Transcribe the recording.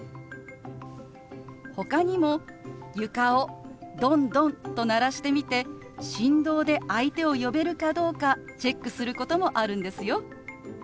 ほかにも床をドンドンと鳴らしてみて振動で相手を呼べるかどうかチェックすることもあるんですよ。